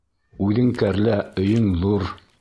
Үҙең кәрлә, өйөң ҙур.